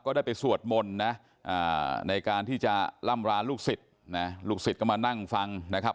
ได้ไปสวดมนต์นะในการที่จะล่ำราลูกศิษย์นะลูกศิษย์ก็มานั่งฟังนะครับ